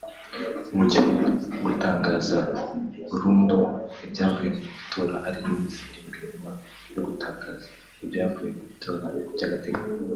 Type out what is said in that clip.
mu gihe gutangaza burundu ibyavuye mu itora ari iminsi irindwi nyuma yo gutangaza ibyavuye mu itora by’agateganyo